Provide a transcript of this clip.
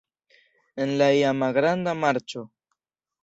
En la iama Granda Marĉo.